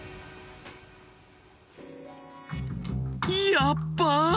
やっばあ！